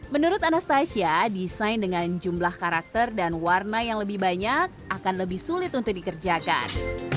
menurut anastasia desain dengan jumlah karakter dan warna yang lebih banyak akan lebih sulit untuk dikerjakan